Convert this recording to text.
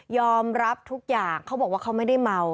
รับทุกอย่างเขาบอกว่าเขาไม่ได้เมา